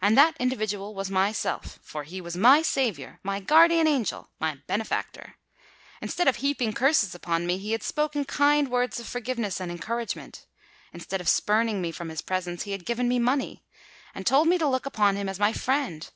And that individual was myself: for he was my saviour—my guardian angel—my benefactor! Instead of heaping curses upon me, he had spoken kind words of forgiveness and encouragement: instead of spurning me from his presence, he had given me money, and told me to look upon him as my friend!